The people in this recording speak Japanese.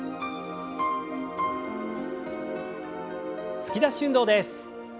突き出し運動です。